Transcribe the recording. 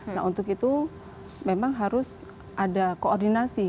nah untuk itu memang harus ada koordinasi